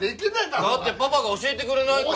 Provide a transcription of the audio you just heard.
だってパパが教えてくれないから。